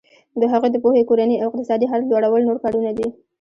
د هغوی د پوهې کورني او اقتصادي حالت لوړول نور کارونه دي.